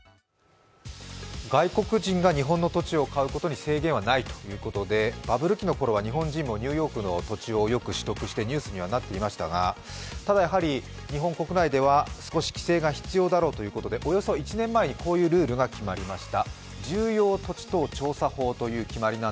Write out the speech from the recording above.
外国人が日本の土地を買うことに制限はないということでバブル期のころは日本人もニューヨークの土地を購入してニュースにはなっていましたが、ただ、やはり日本国内では少し規制が必要だろうということで、およそ１年前にこういうルールが決まりました。